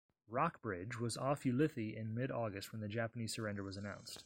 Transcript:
"Rockbridge" was off Ulithi in mid-August when the Japanese surrender was announced.